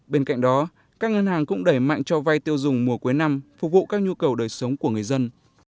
bên cạnh đó các ngân hàng cũng đẩy mạnh cho vai tiêu dùng mùa cuối năm phục vụ các nhu cầu đời sống của người dân